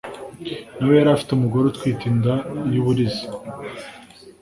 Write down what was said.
na we yari afite umugore utwite inda y’ uburiza